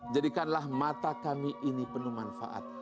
jadikanlah mata kami ini penuh manfaat